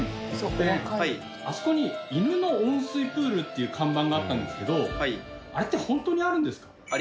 あそこに犬の温水プールっていう看板があったんですけどあれって本当にあるんですか？